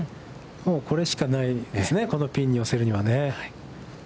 これしかないですね、このピンに寄せるには。